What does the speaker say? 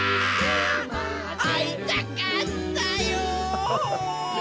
あいたかったよ！